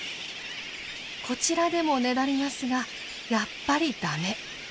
こちらでもねだりますがやっぱりだめ。